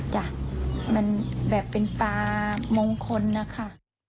จ้ะมันแบบเป็นปลามงคลนะคะ